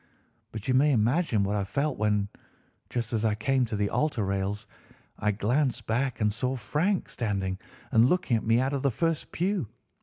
But you may imagine what I felt when, just as I came to the altar rails, I glanced back and saw Frank standing and looking at me out of the first pew.